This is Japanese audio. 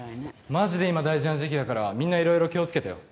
マジで今大事な時期だからみんないろいろ気をつけてよ。